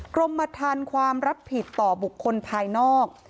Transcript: กรมฐานความรับผิดต่อบุคคลภายนอก